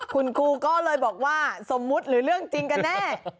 คุณครูก็เลยบอกว่าสมมุติหรือเรื่องจริงกันแน่